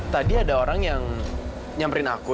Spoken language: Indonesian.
tadi ada orang yang nyamperin aku